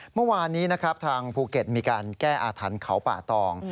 เมื่อวานนี้นะครับทางภูเก็ตมีการแก้อาถรรพ์เขาป่าตอง